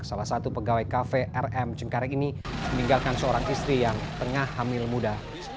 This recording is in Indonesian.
salah satu pegawai kafe rm cengkareng ini meninggalkan seorang istri yang tengah hamil muda